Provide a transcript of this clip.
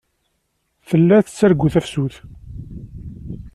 Tella tettargu tafsut.